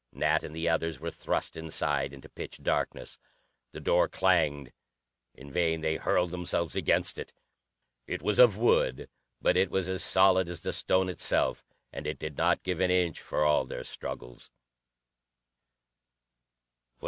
Nat and the others were thrust inside into pitch darkness. The door clanged; in vain they hurled themselves against it. It was of wood, but it was as solid as the stone itself, and it did not give an inch for all their struggles.